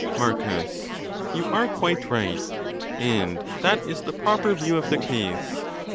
Marcus.—You are quite right, and that is the proper view of the case.